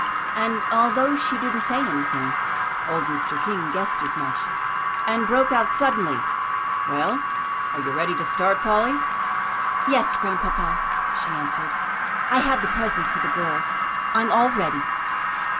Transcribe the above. And, although she didn't say anything, old Mr. King guessed as much, and broke out suddenly, "Well, are you ready to start, Polly?" "Yes, Grandpapa," she answered. "I have the presents for the girls. I'm all ready."